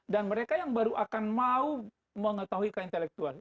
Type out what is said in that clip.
dan mereka yang baru akan mau mengetahui ke intelektual